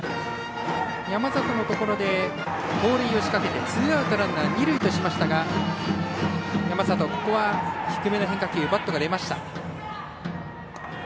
山里のところで盗塁を仕掛けてツーアウト、ランナー二塁としましたが山里、ここは低めの変化球にバットが出ました。